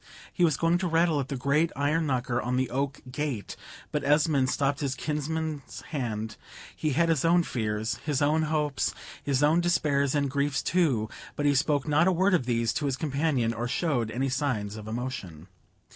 He was going to rattle at the great iron knocker on the oak gate; but Esmond stopped his kinsman's hand. He had his own fears, his own hopes, his own despairs and griefs, too; but he spoke not a word of these to his companion, or showed any signs of emotion.